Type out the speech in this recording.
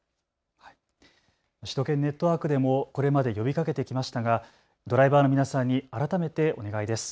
首都圏ネットワークでもこれまで呼びかけてきましたがドライバーの皆さんに改めてお願いです。